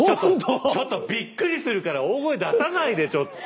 ちょっとちょっとびっくりするから大声出さないでちょっと！